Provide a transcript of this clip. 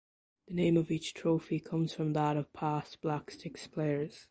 The name of each trophy comes from that of past Black Sticks players.